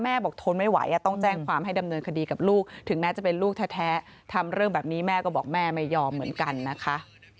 บอกทนไม่ไหวต้องแจ้งความให้ดำเนินคดีกับลูกถึงแม้จะเป็นลูกแท้ทำเรื่องแบบนี้แม่ก็บอกแม่ไม่ยอมเหมือนกันนะคะ